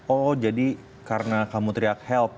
oh jadi karena kamu teriak help